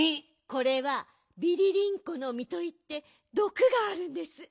これはビリリンコのみといってどくがあるんです。